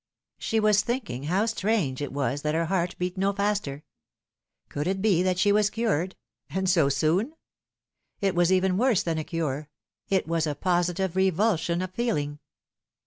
She was thinking how strange it was that her heart beat no faster. Could it be that she was cured and so soon ? It waa even worse than a cure ; it was a positive revulsion of feeling.